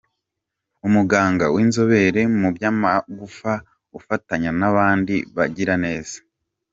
Umuganga w’inzobere mu by’amagufa ufatanya n’aba bagiraneza,